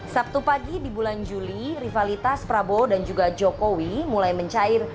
sabtu pagi di bulan juli rivalitas prabowo dan juga jokowi mulai mencair